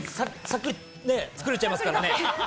さっくり作れちゃいますからね。